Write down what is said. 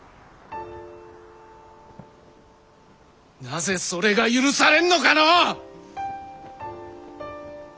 なぜそれが許されんのかのう！